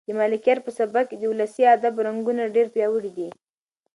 د ملکیار په سبک کې د ولسي ادب رنګونه ډېر پیاوړي دي.